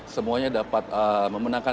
semuanya dapat memenangkan